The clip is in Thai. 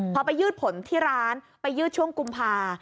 พอไปยืดผลที่ร้านไปยืดช่วงกุมภา